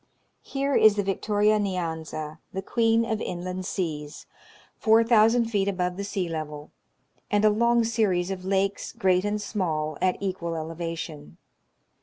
Here is the Victoria Nyanza, the queen of inland seas, 4,000 feet above the sea level; and a long series of lakes, great and small, at equal elevation.